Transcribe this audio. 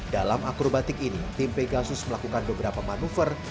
dalam akrobatik ini tim pegasus melakukan beberapa manuver